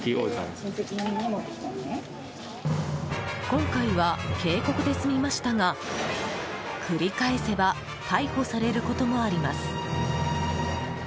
今回は警告で済みましたが繰り返せば逮捕されることもあります。